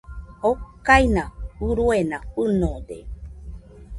Okaina uruena fɨnode.